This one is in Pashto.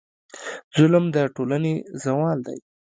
ظلم د ټولنې زوال دی.